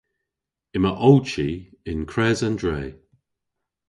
Yma ow chi yn kres an dre.